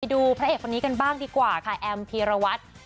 ดูพระเอกคนนี้กันบ้างดีกว่าค่ะแอมพีรวัตร